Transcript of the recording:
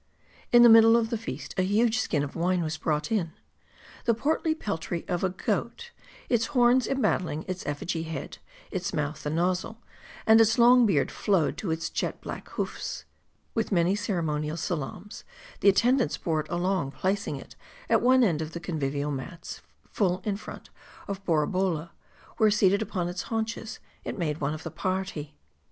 In the middle of the feast, a huge skin of wine was brought in. The portly peltry of a goat ; its horns embat tling its effigy head ; its mouth the nozzle ; and its long beard flowed to its jet black hoofs. With many ceremonial salams, the attendants bore it along, placing it at one end of the convivial mats, full in front of Borabolla ; where seated upon its haunches it made one of the party. 336 M A R D I.